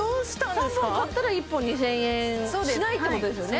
３本買ったら１本２０００円しないってことですよね